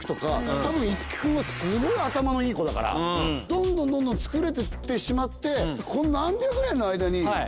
多分樹君はすごい頭のいい子だからどんどんどんどん作れていってしまってああ